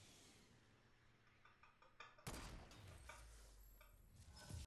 walitunga kanuni za katiba ya mamlaka ya bodi ya sarafu